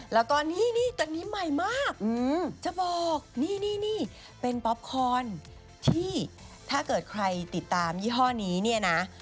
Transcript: แล้วก็นี่ตึกนี้ใหม่มากจะบอกนี่นี่เป็นป๊อปคอนที่ถ้าเกิดใครติดตามยี่ห้อนี้เนี่ยนะ